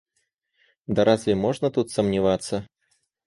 Да, разве можно тут сомневаться?